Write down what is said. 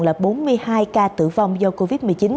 là bốn mươi hai ca tử vong do covid một mươi chín